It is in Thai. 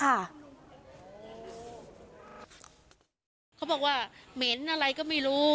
เขาบอกว่าเหม็นอะไรก็ไม่รู้